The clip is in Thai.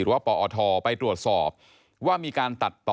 ว่าปอทไปตรวจสอบว่ามีการตัดต่อ